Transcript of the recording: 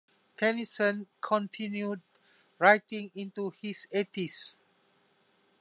Tennyson continued writing into his eighties.